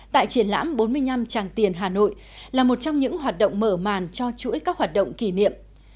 tại triển lãm bốn mươi năm tràng tiền hà nội là một trong những hoạt động mở màn cho chuỗi các hoạt động kỷ niệm